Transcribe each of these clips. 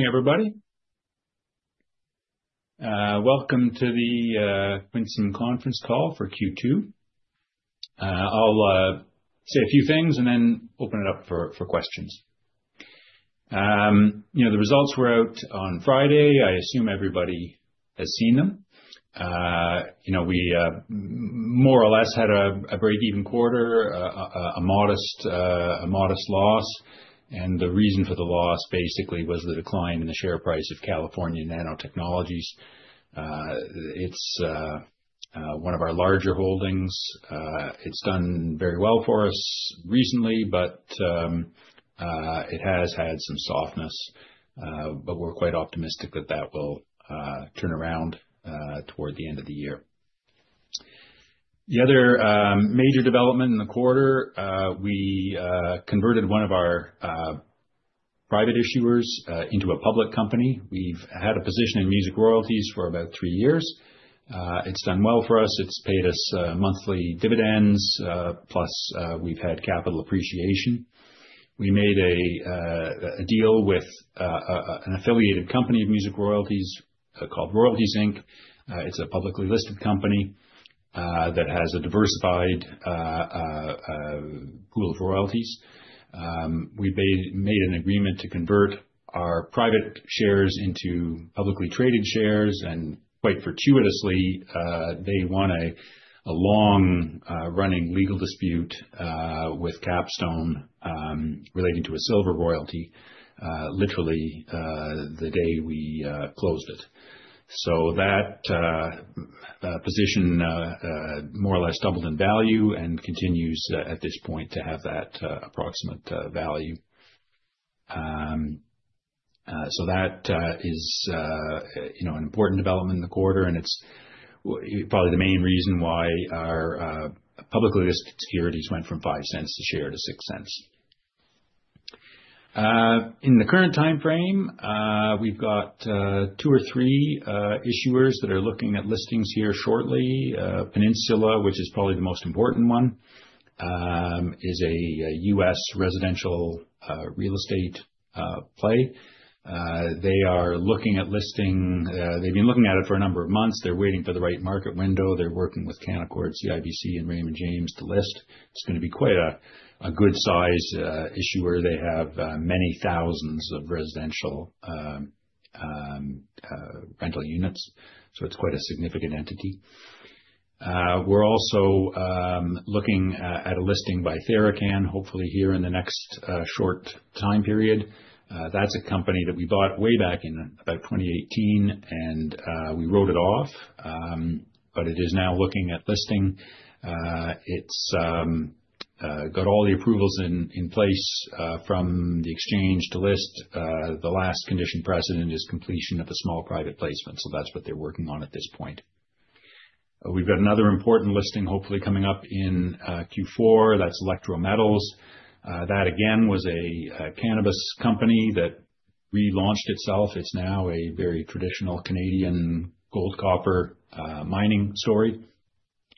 Morning, everybody. Welcome to the Quinsam conference call for Q2. I'll say a few things and then open it up for questions. The results were out on Friday. I assume everybody has seen them. We more or less had a break-even quarter, a modest loss. The reason for the loss basically was the decline in the share price of California Nanotechnologies. It's one of our larger holdings. It's done very well for us recently, but it has had some softness. We're quite optimistic that that will turn around toward the end of the year. The other major development in the quarter, we converted one of our private issuers into a public company. We've had a position in Music Royalties for about three years. It's done well for us. It's paid us monthly dividends, plus we've had capital appreciation. We made a deal with an affiliated company of Music Royalties, called Royalties Inc. It's a publicly listed company that has a diversified pool of royalties. We made an agreement to convert our private shares into publicly traded shares. Quite fortuitously they won a long-running legal dispute with Capstone relating to a silver royalty literally the day we closed it. That position more or less doubled in value and continues at this point to have that approximate value. That is an important development in the quarter, and it's probably the main reason why our publicly listed securities went from 0.05 a share to 0.06. In the current timeframe, we've got two or three issuers that are looking at listings here shortly. Peninsula, which is probably the most important one, is a U.S. residential real estate play. They are looking at listing. They've been looking at it for a number of months. They're waiting for the right market window. They're working with Canaccord, CIBC, and Raymond James to list. It's going to be quite a good size issuer. They have many thousands of residential rental units. It's quite a significant entity. We're also looking at a listing by TheraCann, hopefully here in the next short time period. That's a company that we bought way back in about 2018. We wrote it off. It is now looking at listing. It's got all the approvals in place from the exchange to list. The last condition precedent is completion of a small private placement. That's what they're working on at this point. We've got another important listing, hopefully coming up in Q4. That's Electro Metals. That, again, was a cannabis company that relaunched itself. It's now a very traditional Canadian gold copper mining story.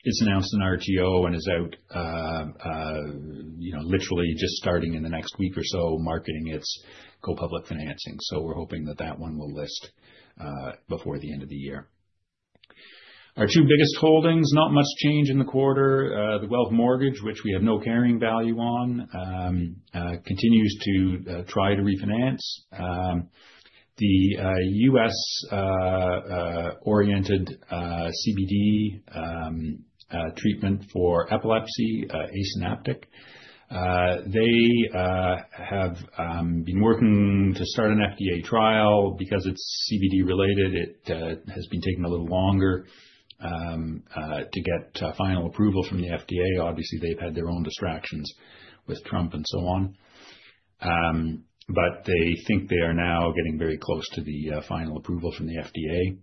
It's announced an RTO and is out literally just starting in the next week or so, marketing its go public financing. We're hoping that that one will list before the end of the year. Our two biggest holdings, not much change in the quarter. The Wealth Mortgage, which we have no carrying value on, continues to try to refinance. The U.S.-oriented CBD treatment for epilepsy, A-Synaptic, they have been working to start an FDA trial. Because it's CBD related, it has been taking a little longer to get final approval from the FDA. Obviously, they've had their own distractions with Trump and so on. They think they are now getting very close to the final approval from the FDA.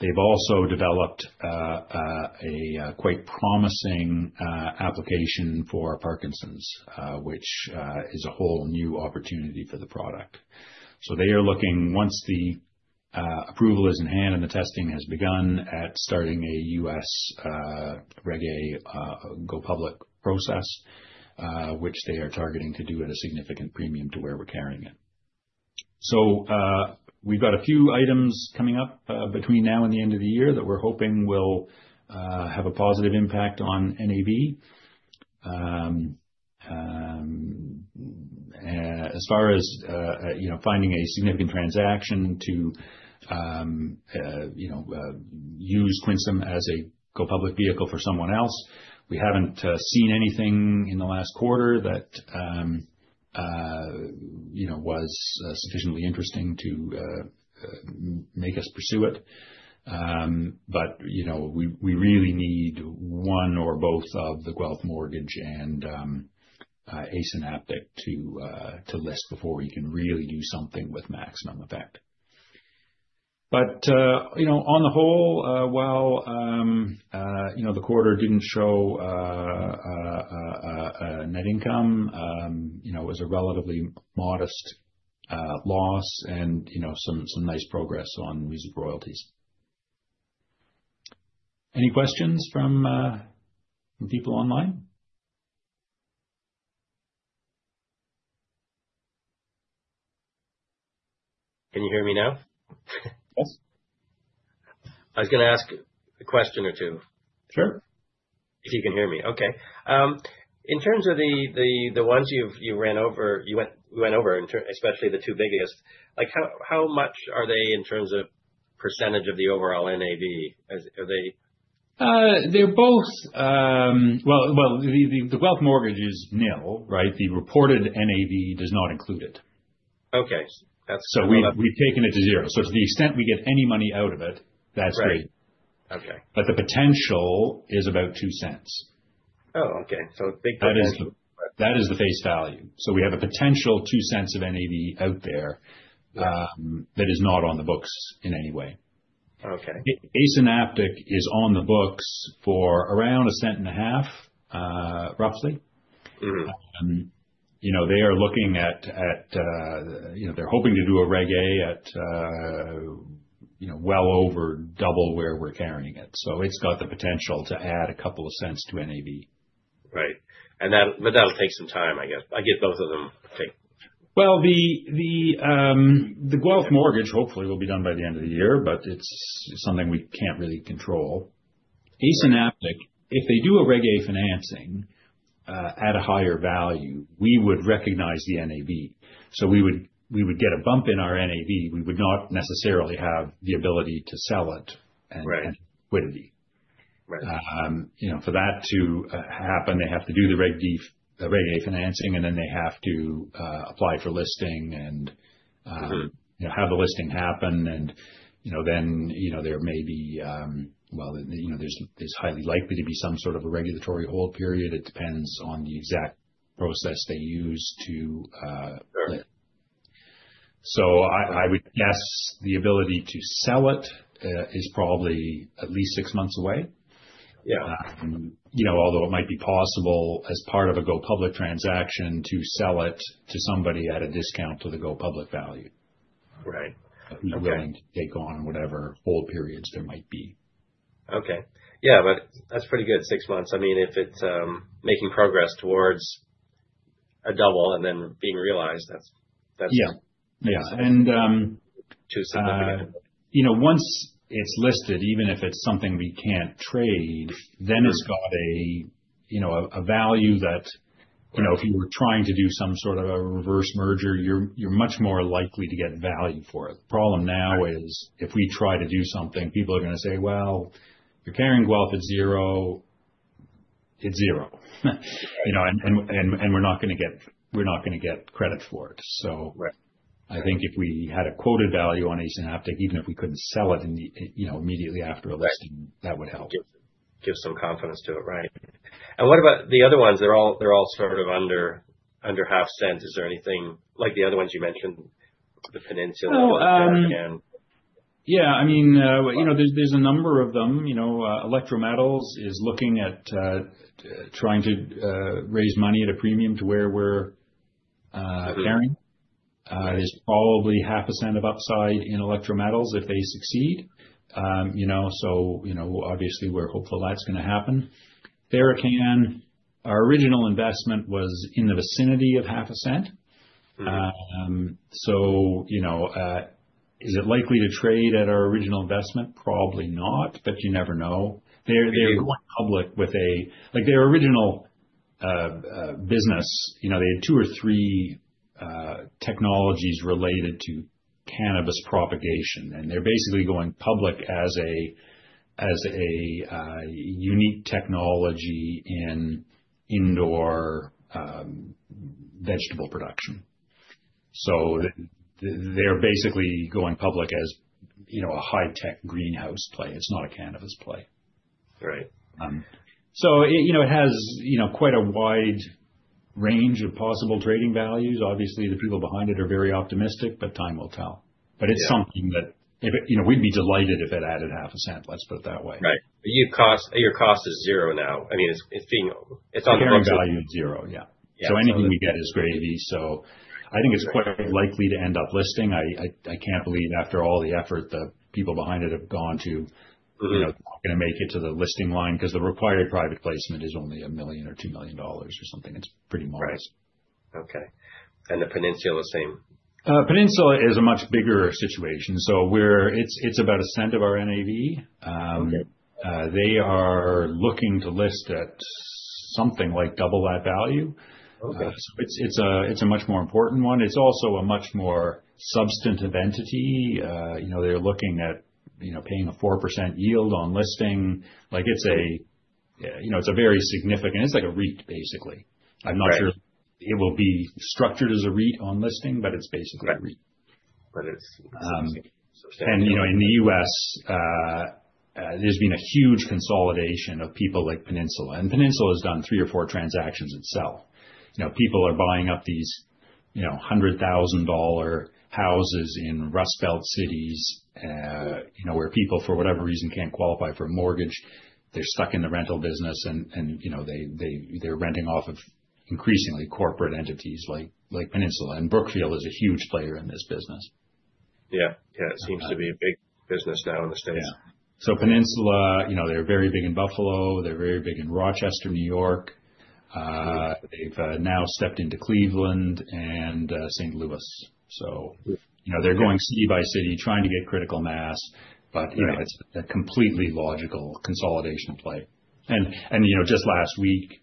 They've also developed a quite promising application for Parkinson's, which is a whole new opportunity for the product. They are looking, once the approval is in hand and the testing has begun, at starting a U.S. Reg A go public process, which they are targeting to do at a significant premium to where we're carrying it. We've got a few items coming up between now and the end of the year that we're hoping will have a positive impact on NAV. As far as finding a significant transaction to use Quinsam as a go public vehicle for someone else, we haven't seen anything in the last quarter that was sufficiently interesting to make us pursue it. We really need one or both of the Wealth Mortgage and A-Synaptic to list before we can really do something with maximum effect. On the whole, while the quarter didn't show a net income, it was a relatively modest loss and some nice progress on Music Royalties. Any questions from people online? Can you hear me now? Yes. I was going to ask a question or two. Sure. If you can hear me. Okay. In terms of the ones you went over, especially the two biggest, how much are they in terms of % of the overall NAV? The Wealth Mortgage is nil, right? The reported NAV does not include it. Okay. We've taken it to zero. To the extent we get any money out of it, that's great. Right. Okay. The potential is about 0.02. Okay. Big potential. That is the face value. We have a potential CAD 0.02 of NAV out there that is not on the books in any way. Okay. A-Synaptic is on the books for around CAD 0.015, roughly. They're hoping to do a Regulation A at well over double where we're carrying it. It's got the potential to add CAD 0.02 to NAV. Right. That'll take some time, I guess. I get both of them, I think. Well, the Wealth Mortgage hopefully will be done by the end of the year, it's something we can't really control. A-Synaptic, if they do a Regulation A financing at a higher value, we would recognize the NAV. We would get a bump in our NAV. We would not necessarily have the ability to sell it immediately. Right. For that to happen, they have to do the Regulation A financing, and then they have to apply for listing. have the listing happen, then there's highly likely to be some sort of a regulatory hold period. It depends on the exact process they use. Right I would guess the ability to sell it is probably at least six months away. Yeah. Although it might be possible as part of a go-public transaction to sell it to somebody at a discount to the go-public value. Right. Okay. Be willing to take on whatever hold periods there might be. Okay. Yeah. That's pretty good. Six months, if it's making progress towards a double and then being realized. Yeah. CAD 0.02. Once it's listed, even if it's something we can't trade, then it's got a value that if you were trying to do some sort of a reverse merger, you're much more likely to get value for it. The problem now is if we try to do something, people are going to say, "Well, you're carrying wealth at zero, it's zero. Right. We're not going to get credit for it. Right I think if we had a quoted value on A-Synaptic, even if we couldn't sell it immediately after a listing, that would help. Give some confidence to it. Right. What about the other ones? They're all sort of under CAD 0.005. Is there anything like the other ones you mentioned, the Peninsula and TheraCann? Yeah. There's a number of them. Electro Metals is looking at trying to raise money at a premium to where we're carrying. There's probably half a cent of upside in Electro Metals if they succeed. Obviously we're hopeful that's going to happen. TheraCann, our original investment was in the vicinity of half a cent. Is it likely to trade at our original investment? Probably not, but you never know. Their original business, they had two or three technologies related to cannabis propagation, and they're basically going public as a unique technology in indoor vegetable production. They're basically going public as a high-tech greenhouse play. It's not a cannabis play. Right. It has quite a wide range of possible trading values. Obviously, the people behind it are very optimistic, but time will tell. Yeah. It's something that we'd be delighted if it added half a cent, let's put it that way. Right. Your cost is zero now. It's on the books at- Carrying value zero. Yeah. Yeah. Anything we get is gravy. I think it's quite likely to end up listing. I can't believe after all the effort the people behind it have gone to- they're not going to make it to the listing line because the required private placement is only 1 million or 2 million dollars or something. It's pretty modest. Right. Okay. Peninsula, same? Peninsula is a much bigger situation. It's about CAD 0.01 of our NAV. Okay. They are looking to list at something like double that value. Okay. It's a much more important one. It's also a much more substantive entity. They're looking at paying a 4% yield on listing. It's a very significant, it's like a REIT, basically. Right. I'm not sure it will be structured as a REIT on listing, but it's basically a REIT. It's significant. Fair. In the U.S., there's been a huge consolidation of people like Peninsula, and Peninsula has done three or four transactions itself. People are buying up these $100,000 houses in Rust Belt cities, where people, for whatever reason, can't qualify for a mortgage. They're stuck in the rental business, and they're renting off of increasingly corporate entities like Peninsula. Brookfield is a huge player in this business. Yeah. It seems to be a big business now in the U.S. Yeah. Peninsula, they're very big in Buffalo. They're very big in Rochester, New York. That's right. They've now stepped into Cleveland and St. Louis. They're going city by city trying to get critical mass, but it's a completely logical consolidation play. Just last week,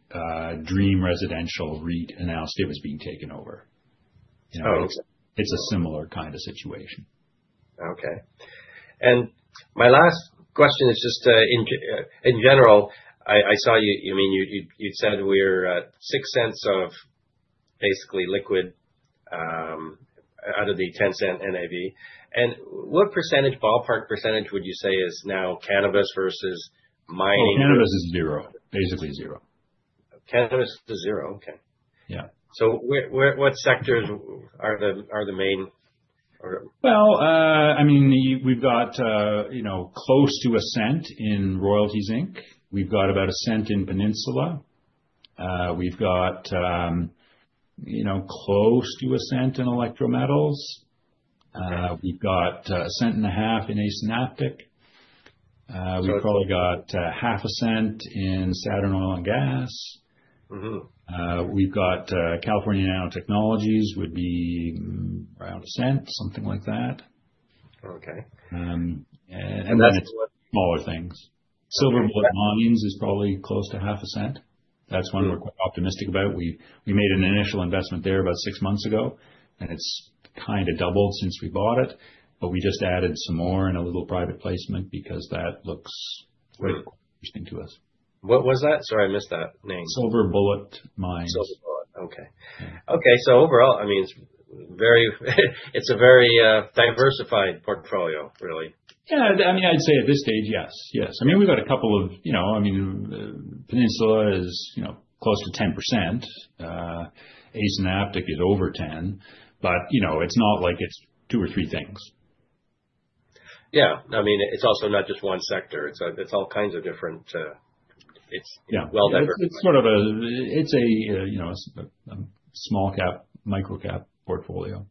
Dream Residential REIT announced it was being taken over. Oh, okay. It's a similar kind of situation. Okay. My last question is just in general, I saw you said we're at CAD 0.06 of basically liquid out of the 0.10 NAV. What ballpark % would you say is now cannabis versus mining? Well, cannabis is 0. Basically 0. Cannabis is zero. Okay. Yeah. What sectors are the main? Well, we've got close to CAD 0.01 in Royalties Inc. We've got about CAD 0.01 in Peninsula. We've got close to CAD 0.01 in Electro Metals. Okay. We've got CAD 0.015 in A-Synaptic. We've probably got CAD 0.005 in Saturn Oil & Gas. We've got California Nanotechnologies would be around CAD 0.01, something like that. Okay. Then it's smaller things. Silver Bullet Mines is probably close to CAD 0.005. That's one we're quite optimistic about. We made an initial investment there about six months ago, and it's kind of doubled since we bought it, but we just added some more in a little private placement because that looks quite interesting to us. What was that? Sorry, I missed that name. Silver Bullet Mines. Silver Bullet. Okay. Yeah. Overall, it's a very diversified portfolio, really. Yeah. I'd say at this stage, yes. We've got a couple of Peninsula is close to 10%. A-Synaptic is over 10, but it's not like it's two or three things. Yeah. It's also not just one sector. It's well diversified. It's a small cap, micro-cap portfolio.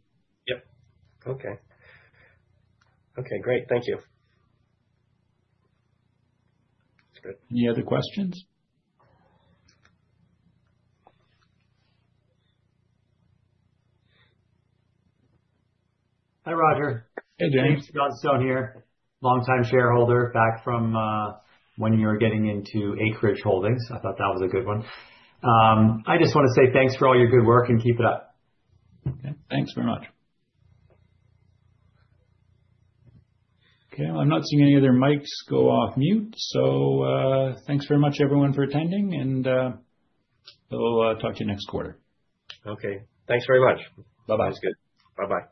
Yep. Okay. Okay, great. Thank you. That's good. Any other questions? Hi, Roger. Hey, James. James Johnstone here. Longtime shareholder back from when you were getting into Acreage Holdings. I thought that was a good one. I just want to say thanks for all your good work, and keep it up. Okay. Thanks very much. Okay, I'm not seeing any other mics go off mute. Thanks very much everyone for attending, and we'll talk to you next quarter. Okay. Thanks very much. Bye-bye. Sounds good. Bye-bye.